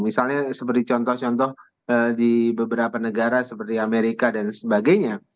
misalnya seperti contoh contoh di beberapa negara seperti amerika dan sebagainya